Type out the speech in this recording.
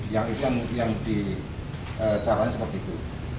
yang itu yang dicaranya seperti itu